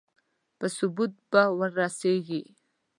په ثبوت به ورسېږي.